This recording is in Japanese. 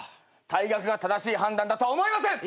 退学が正しい判断だとは思えません！